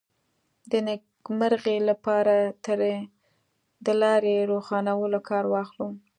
د نېکمرغۍ لپاره ترې د لارې روښانولو کار واخلو.